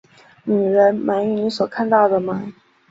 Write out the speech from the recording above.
女人，满意你所看到的吗？